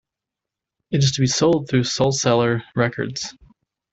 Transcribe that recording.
It is to be sold through Soulseller Records.